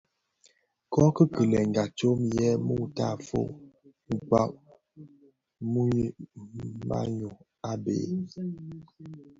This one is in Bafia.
Kōki kilènga tsom yè mutafog kpag manyu a bhëg.